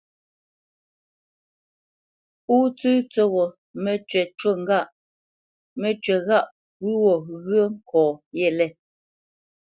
Pó tsə̂ tsə́ghō, mə́cywǐ ghâʼ pǔ gho ŋgyə̌ nkɔ̌ yêlê.